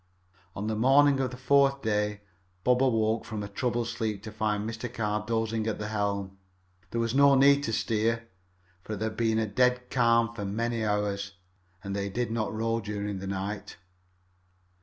On the morning of the fourth day Bob awoke from a troubled sleep to find Mr. Carr dozing at the helm. There was no need to steer, for there had been a dead calm for many hours, and they did not row during the night.